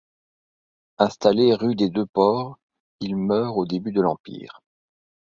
Installé rue des deux Ports, il meurt au début de l’Empire.